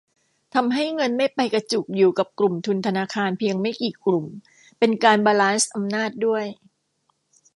ทำให้เงินไม่ไปกระจุกอยู่กับกลุ่มทุนธนาคารเพียงไม่กี่กลุ่ม เป็นการบาลานซ์อำนาจด้วย